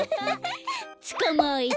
つかまえた。